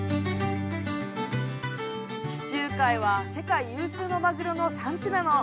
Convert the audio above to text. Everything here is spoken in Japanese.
地中海は世界有数のマグロの産地なの。